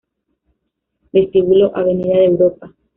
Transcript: Vestíbulo Avenida de Europa